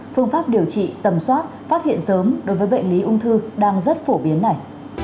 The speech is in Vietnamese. phương pháp điều trị tầm soát phát hiện sớm đối với bệnh lý ung thư đang rất phổ biến này